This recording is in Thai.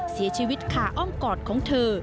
เสียชีวิตคาอ้อมกอดของเธอ